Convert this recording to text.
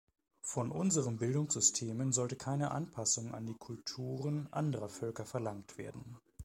Von unseren Bildungssystemen sollte keine Anpassung an die Kulturen anderer Völker verlangt werden.